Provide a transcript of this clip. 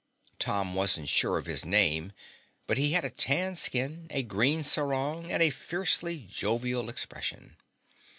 Tom wasn't sure of his name, but he had a tan skin, a green sarong, and a fiercely jovial expression.